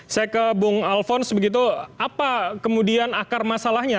saya ke bung alphonse begitu apa kemudian akar masalahnya